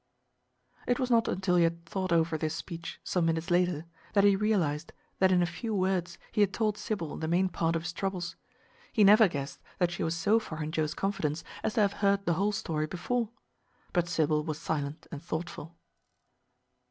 It was not until he had thought over this speech, some minutes later, that he realized that in a few words he had told Sybil the main part of his troubles. He never guessed that she was so far in Joe's confidence as to have heard the whole story before. But Sybil was silent and thoughtful.